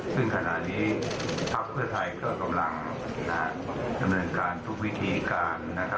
ซึ่งขณะนี้ภัพพธิ์เพื่อไทยก็กำลังจะยืนการทุกวิธีการ